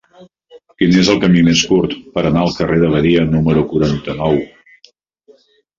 Quin és el camí més curt per anar al carrer de Badia número quaranta-nou?